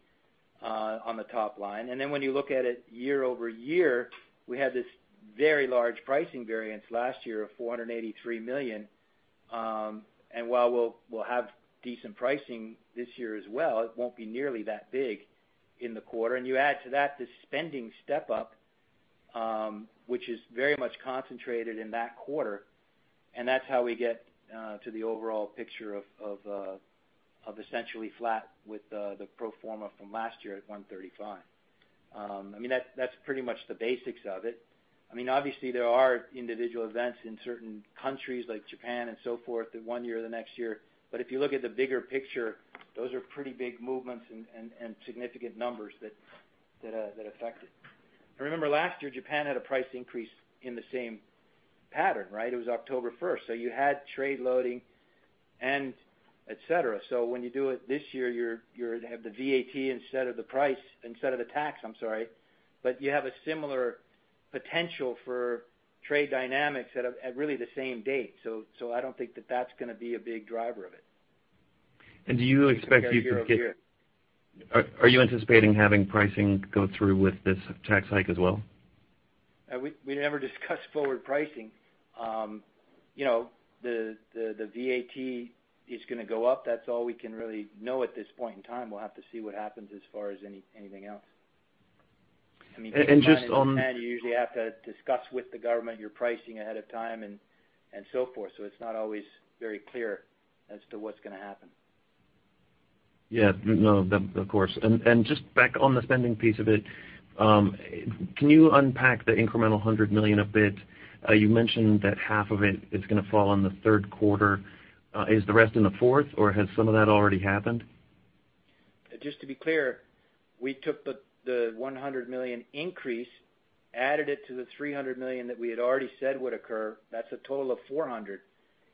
on the top line. And then when you look at it year-over-year, we had this very large pricing variance last year of $483 million. While we'll have decent pricing this year as well, it won't be nearly that big in the quarter. You add to that the spending step-up, which is very much concentrated in that quarter, and that's how we get to the overall picture of essentially flat with the pro forma from last year at $135 million and that's pretty much the basics of it. Obviously, there are individual events in certain countries like Japan and so forth that one year or the next year but if you look at the bigger picture, those are pretty big movements and significant numbers that affect it. Remember, last year, Japan had a price increase in the same pattern, right? It was October 1st. You had trade loading and etc. So when you do it this year, you have the VAT instead of the price, instead of the tax, I'm sorry, but you have a similar potential for trade dynamics at really the same date so I don't think that that's going to be a big driver of it- Do you expect you to get- ...compared to year-over-year. Are you anticipating having pricing go through with this tax hike as well? We never discuss forward pricing. The VAT is going to go up. That's all we can really know at this point in time. We'll have to see what happens as far as anything else. And just on- Keep in mind, in Japan, you usually have to discuss with the government your pricing ahead of time and so forth. It's not always very clear as to what's going to happen. Yeah. No, of course. Just back on the spending piece of it, can you unpack the incremental $100 million a bit? You mentioned that half of it is going to fall on the third quarter. Is the rest in the fourth, or has some of that already happened? Just to be clear, we took the $100 million increase, added it to the $300 million that we had already said would occur. That's a total of $400 million.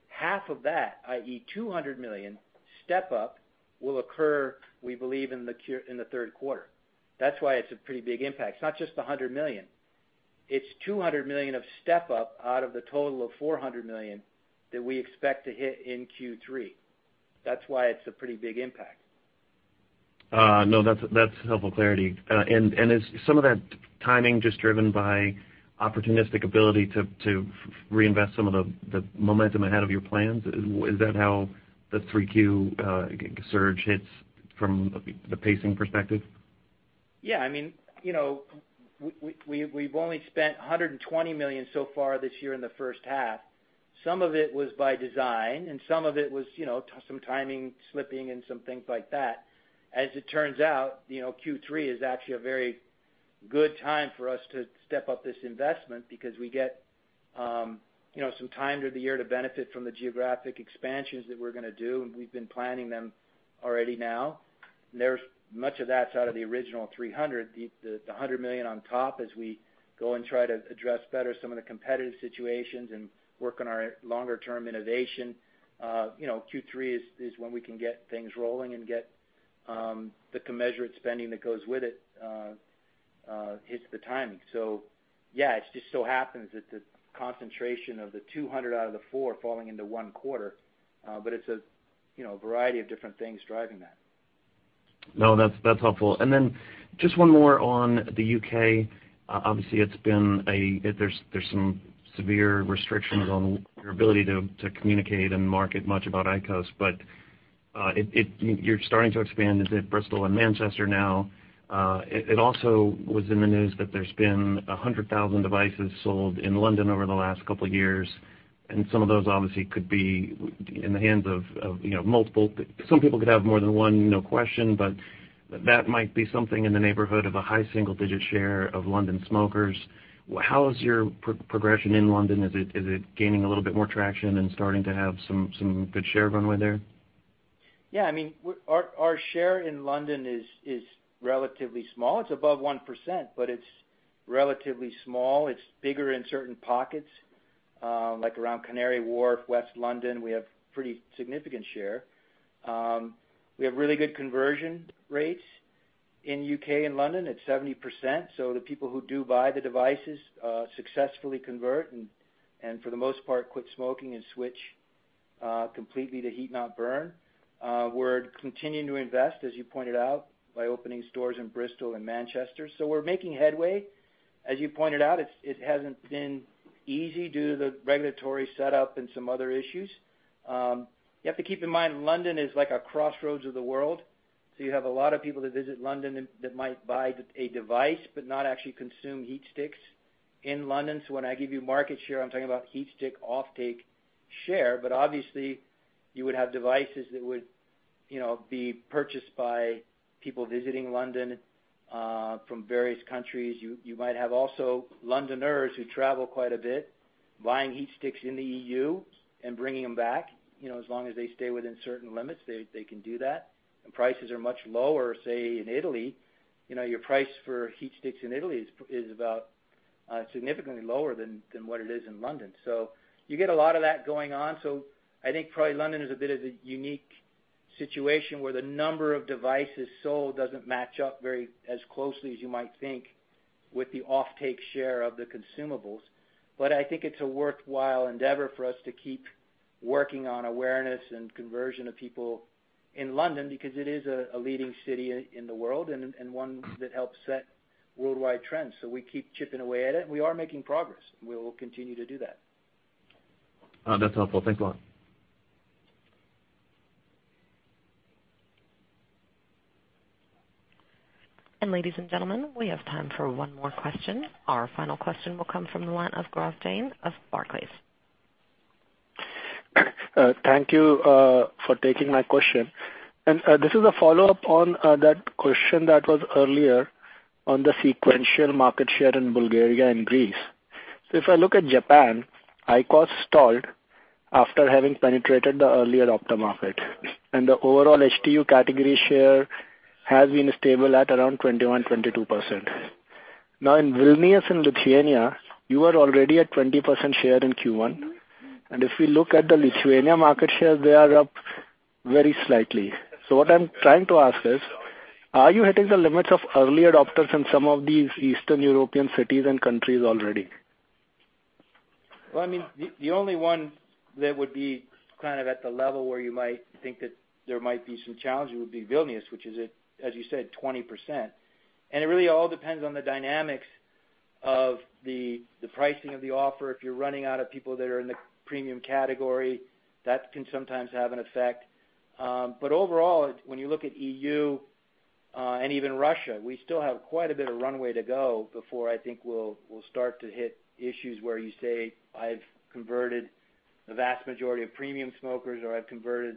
Half of that, i.e., $200 million step-up, will occur, we believe, in the third quarter. That's why it's a pretty big impact. It's not just the $100 million. It's $200 million of step-up out of the total of $400 million that we expect to hit in Q3. That's why it's a pretty big impact. That's helpful clarity. And is some of that timing just driven by opportunistic ability to reinvest some of the momentum ahead of your plans? Is that how the 3Q surge hits from the pacing perspective? Yeah. I mean, we've only spent $120 million so far this year in the first half. Some of it was by design, and some of it was some timing slipping and some things like that. As it turns out, Q3 is actually a very good time for us to step up this investment because we get some time through the year to benefit from the geographic expansions that we're going to do, and we've been planning them already now. Much of that's out of the original $300 million. The $100 million on top as we go and try to address better some of the competitive situations and work on our longer-term innovation. Q3 is when we can get things rolling and get the commensurate spending that goes with it. It's the timing, so yeah, it just so happens that the concentration of the $200 million out of the $400 million falling into one quarter, but it's a variety of different things driving that. No, that's helpful. Just one more on the U.K. Obviously, there's some severe restrictions on your ability to communicate and market much about IQOS, but you're starting to expand into Bristol and Manchester now. It also was in the news that there's been 100,000 devices sold in London over the last couple of years, and some of those obviously could be in the hands of multiple. Some people could have more than one, no question, but that might be something in the neighborhood of a high single-digit share of London smokers. How is your progression in London? Is it gaining a little bit more traction and starting to have some good share runway there? Yeah, our share in London is relatively small. It's above 1%, but it's relatively small. It's bigger in certain pockets, like around Canary Wharf, West London, we have pretty significant share. We have really good conversion rates in U.K. and London at 70%. The people who do buy the devices successfully convert, and for the most part, quit smoking and switch completely to heat not burn. We're continuing to invest, as you pointed out, by opening stores in Bristol and Manchester, so we're making headway. As you pointed out, it hasn't been easy due to the regulatory setup and some other issues. You have to keep in mind, London is like a crossroads of the world, so you have a lot of people that visit London that might buy a device but not actually consume HeatSticks in London. When I give you market share, I'm talking about HeatSticks off-take share. Obviously you would have devices that would be purchased by people visiting London, from various countries. You might have also Londoners who travel quite a bit, buying HeatSticks in the EU and bringing them back. As long as they stay within certain limits, they can do that. Prices are much lower, say, in Italy. Your price for HeatSticks in Italy is significantly lower than what it is in London so you get a lot of that going on. I think probably London is a bit of a unique situation where the number of devices sold doesn't match up very as closely as you might think with the off-take share of the consumables. I think it's a worthwhile endeavor for us to keep working on awareness and conversion of people in London because it is a leading city in the world and one that helps set worldwide trends. We keep chipping away at it, and we are making progress, and we will continue to do that. That's helpful. Thanks a lot. Ladies and gentlemen, we have time for one more question. Our final question will come from the line of Gaurav Jain of Barclays. Thank you for taking my question. This is a follow-up on that question that was earlier on the sequential market share in Bulgaria and Greece. If I look at Japan, IQOS stalled after having penetrated the early adopter market, and the overall HTU category share has been stable at around 21%-22%. In Vilnius, in Lithuania, you are already at 20% share in Q1. If we look at the Lithuania market shares, they are up very slightly. What I'm trying to ask is, are you hitting the limits of early adopters in some of these Eastern European cities and countries already? Well, the only one that would be at the level where you might think that there might be some challenges would be Vilnius, which is, as you said, 20% and it really all depends on the dynamics of the pricing of the offer. If you're running out of people that are in the premium category, that can sometimes have an effect. Overall, when you look at EU, and even Russia, we still have quite a bit of runway to go before I think we'll start to hit issues where you say, I've converted the vast majority of premium smokers, or I've converted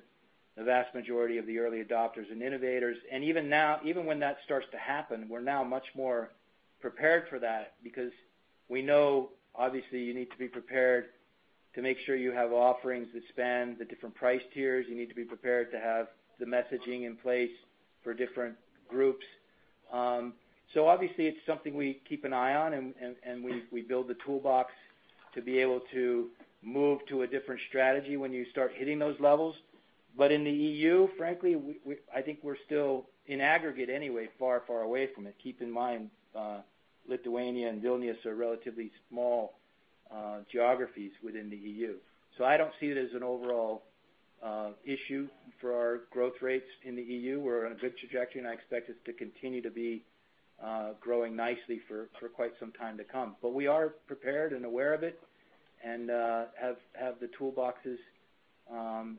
the vast majority of the early adopters and innovators. Even when that starts to happen, we're now much more prepared for that because we know obviously you need to be prepared to make sure you have offerings that span the different price tiers. You need to be prepared to have the messaging in place for different groups. Obviously it's something we keep an eye on, and we build the toolbox to be able to move to a different strategy when you start hitting those levels. In the EU, frankly, I think we're still, in aggregate anyway, far away from it. Keep in mind, Lithuania and Vilnius are relatively small geographies within the EU so I don't see it as an overall issue for our growth rates in the EU. We're on a good trajectory, and I expect us to continue to be growing nicely for quite some time to come. We are prepared and aware of it and have the toolboxes and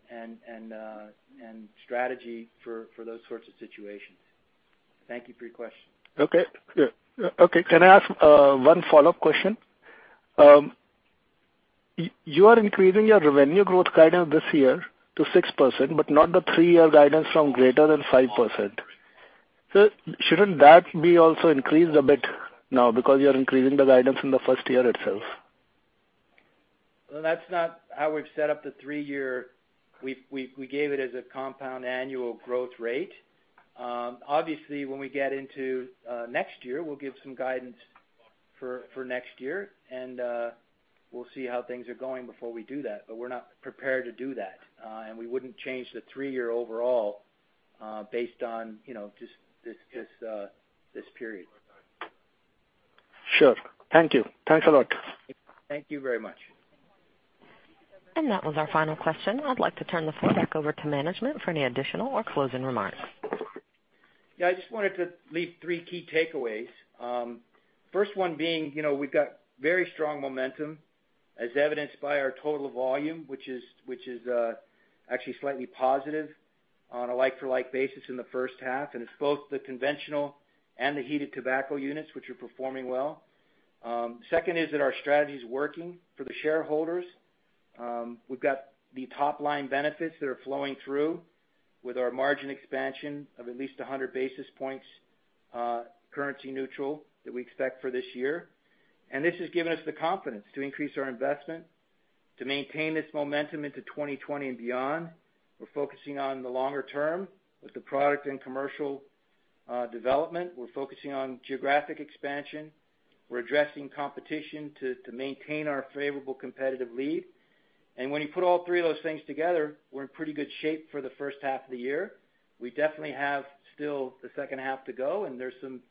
strategy for those sorts of situations. Thank you for your question. Okay. Can I ask one follow-up question? You are increasing your revenue growth guidance this year to 6%, but not the three-year guidance from greater than 5%. Shouldn't that be also increased a bit now because you're increasing the guidance in the first year itself? Well, that's not how we've set up the three-year. We gave it as a compound annual growth rate. Obviously, when we get into next year, we'll give some guidance for next year, and we'll see how things are going before we do that and we're not prepared to do that. We wouldn't change the three-year overall based on just this period. Sure. Thank you. Thanks a lot. Thank you very much. That was our final question. I'd like to turn the floor back over to management for any additional or closing remarks. I just wanted to leave three key takeaways. First one being, we've got very strong momentum, as evidenced by our total volume, which is actually slightly positive on a like-for-like basis in the first half, and it's both the conventional and the heated tobacco units which are performing well. Second is that our strategy is working for the shareholders. We've got the top-line benefits that are flowing through with our margin expansion of at least 100 basis points, currency neutral, that we expect for this year and this has given us the confidence to increase our investment to maintain this momentum into 2020 and beyond. We're focusing on the longer term with the product and commercial development. We're focusing on geographic expansion. We're addressing competition to maintain our favorable competitive lead. When you put all three of those things together, we're in pretty good shape for the first half of the year. We definitely have still the second half to go, and there's some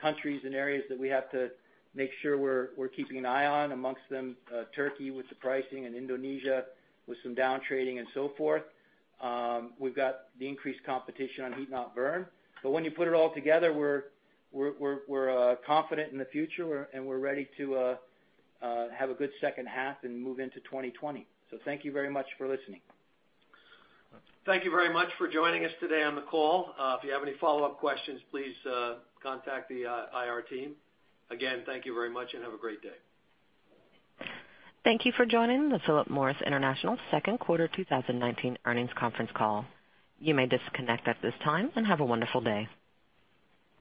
countries and areas that we have to make sure we're keeping an eye on. Amongst them, Turkey with the pricing and Indonesia with some down trading and so forth. We've got the increased competition on heat not burn. When you put it all together, we're confident in the future, and we're ready to have a good second half and move into 2020. Thank you very much for listening. Thank you very much for joining us today on the call. If you have any follow-up questions, please contact the IR team. Again, thank you very much and have a great day. Thank you for joining the Philip Morris International second quarter 2019 earnings conference call. You may disconnect at this time, and have a wonderful day.